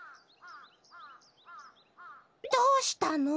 どうしたの！？